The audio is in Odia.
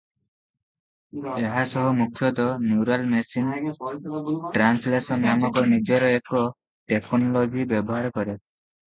ଏହା ସହ ମୁଖ୍ୟତଃ ନ୍ୟୁରାଲ ମେସିନ ଟ୍ରାସଲେସନ ନାମକ ନିଜର ଏକ ଟେକନୋଲୋଜି ବ୍ୟବହାର କରେ ।